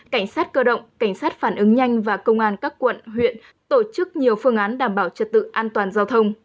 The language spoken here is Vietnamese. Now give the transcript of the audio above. cảnh sát cơ động cảnh sát phản ứng nhanh và công an các quận huyện tổ chức nhiều phương án đảm bảo trật tự an toàn giao thông